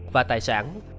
và tài sản